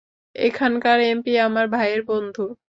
এখানকার এমপি আমার ভাইয়ের বন্ধু।